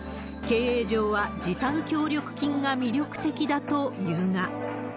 経営上は時短協力金が魅力的だというが。